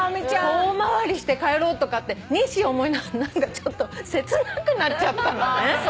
遠回りして帰ろうとかってＮｉｓｓｙ思いながら何かちょっと切なくなっちゃったのね。